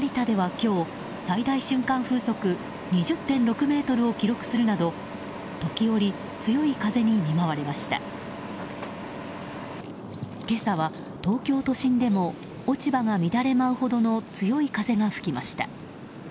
今朝は東京都心でも落ち葉が乱れ舞うほどの強い風が吹きました。